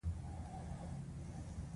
ایا ستاسو رضایت به حاصل شي؟